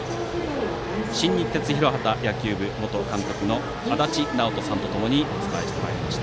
新日鉄広畑野球部元監督の足達尚人さんとともにお伝えしてまいりました。